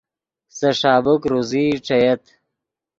سے ݰابیک روزئی ݯییت